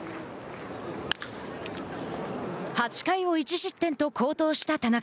８回を１失点と好投した田中。